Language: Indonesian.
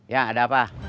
ya ada apa